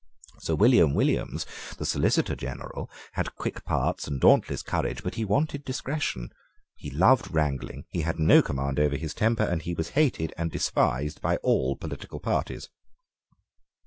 Sir William Williams, the Solicitor General, had quick parts and dauntless courage: but he wanted discretion; he loved wrangling; he had no command over his temper; and he was hated and despised by all political parties.